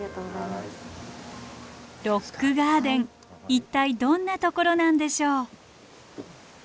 ロックガーデン一体どんなところなんでしょう。